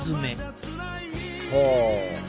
ほう。